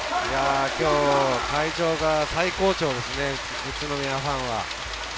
今日、会場が最高潮ですね、宇都宮ファンは。